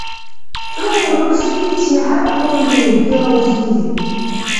ХӀу рурсиличи хӀерхулрив, дила узи?